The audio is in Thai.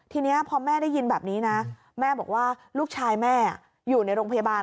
ทีนี้พอแม่ได้ยินแบบนี้นะแม่บอกว่าลูกชายแม่อยู่ในโรงพยาบาล